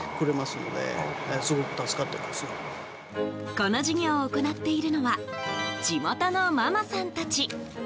この事業を行っているのは地元のママさんたち。